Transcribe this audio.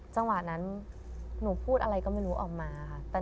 จังหวะนั้นหนูพูดอะไรก็ไม่รู้ออกมาค่ะ